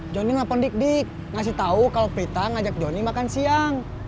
jonny nelfon dik dik ngasih tau kalau pritang ajak jonny makan siang